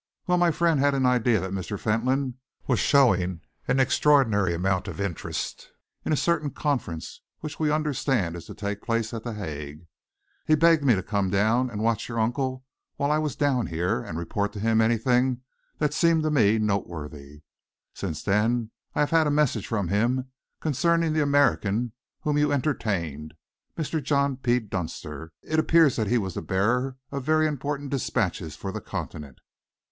Well, my friend had an idea that Mr. Fentolin was showing an extraordinary amount of interest in a certain conference which we understand is to take place at The Hague. He begged me to come down, and to watch your uncle while I was down here, and report to him anything that seemed to me noteworthy. Since then I have had a message from him concerning the American whom you entertained Mr. John P. Dunster. It appears that he was the bearer of very important dispatches for the Continent."